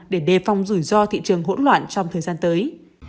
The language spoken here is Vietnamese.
để đề phòng rủi ro thị trường hỗn loạn trong thời gian tới